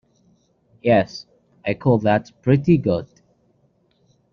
Yes, I call that pretty good.